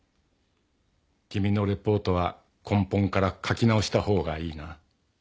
君のリポートは根本から書き直したほうがいいな。